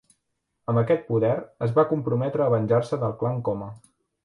Amb aquest poder, es va comprometre a venjar-se del clan Koma.